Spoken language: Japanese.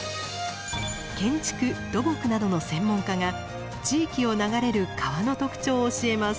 建築・土木などの専門家が地域を流れる川の特徴を教えます。